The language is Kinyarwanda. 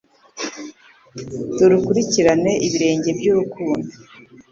dore ukurikirana ibirenge byurukundo